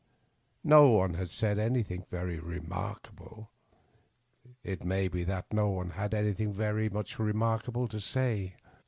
No one had said anything very remarkable ; it may be that no one had anything very remarkable to say.